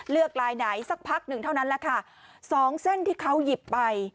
ลายไหนสักพักหนึ่งเท่านั้นแหละค่ะสองเส้นที่เขาหยิบไป